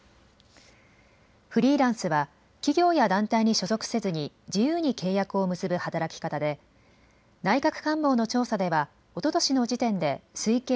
フリーランスは企業や団体に所属せずに自由に契約を結ぶ働き方で内閣官房の調査ではおととしの時点で推計